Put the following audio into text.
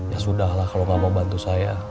ya sudah lah kalau kamu bantu saya